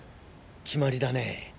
決まりだね。